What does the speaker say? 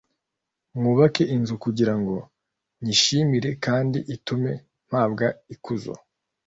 mwubake inzu kugira ngo nyishimire kandi itume mpabwa ikuzo